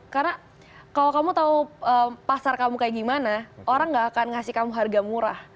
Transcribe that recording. karena kalau kamu tahu pasar kamu kaya gimana orang gak akan ngasih kamu harga murah